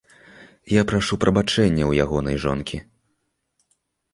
Я прашу прабачэння ў ягонай жонкі.